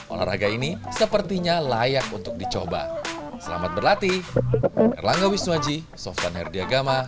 olahraga ini sepertinya layak untuk dicoba selamat berlatih erlangga wisnuaji sofyan herdiagama